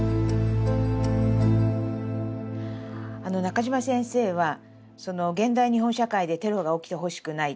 中島先生は現代日本社会でテロが起きてほしくない。